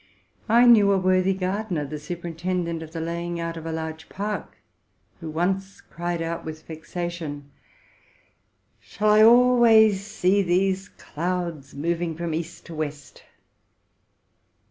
I knew a worthy gardener, the superintendent of the laying out of a large park, who once cried out with vexation, '* Shall I always see these clouds moving from east to west?